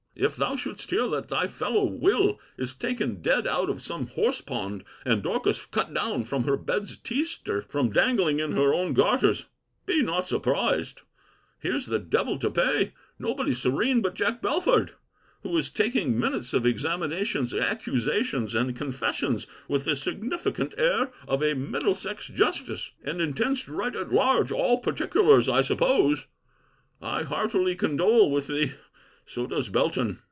If thou shouldst hear that thy fellow Will. is taken dead out of some horse pond, and Dorcas cut down from her bed's teaster, from dangling in her own garters, be not surprised. Here's the devil to pay. Nobody serene but Jack Belford, who is taking minutes of examinations, accusations, and confessions, with the significant air of a Middlesex Justice; and intends to write at large all particulars, I suppose. I heartily condole with thee: so does Belton.